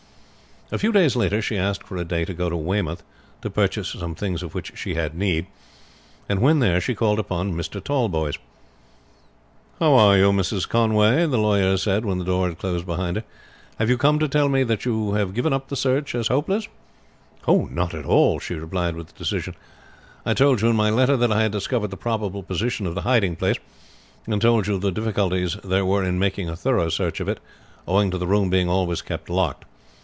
A few days later she asked for a day to go to Weymouth to purchase some things of which she had need, and when there she called upon Mr. Tallboys. "How are you, Mrs. Conway?" the lawyer said when the door had closed behind her. "Have you come to tell me that you give up the search as hopeless?" "Not at all," she replied with decision. "I told you in my letter that I had discovered the probable position of the hiding place, and told you of the difficulties there were in making a thorough search for it owing to the room being always kept locked.